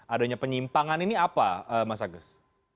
adanya penyimpangan ini apa mas agus